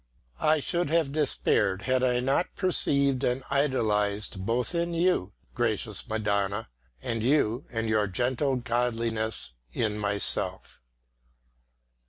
I should have despaired, had I not perceived and idolized both in you, gracious Madonna, and you and your gentle godliness in myself.